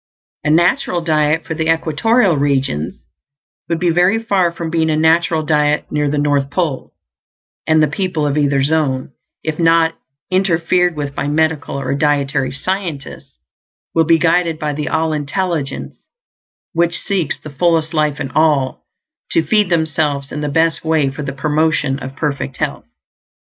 A "natural" diet for the equatorial regions would be very far from being a natural diet near the North Pole; and the people of either zone, if not interfered with by medical or dietary "scientists," will be guided by the All Intelligence, which seeks the fullest life in all, to feed themselves in the best way for the promotion of perfect health.